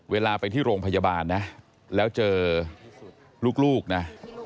เวลาไปที่โรงพยาบาลนะแล้วเจอลูกนะ